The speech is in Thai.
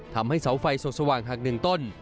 ทำให้เสาไฟส่องสว่างหักหนึ่งต้น